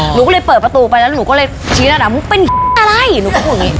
หนูก็เลยเปิดประตูไปแล้วหนูก็เลยชี้ระดับมึงเป็นอะไรหนูก็พูดอย่างนี้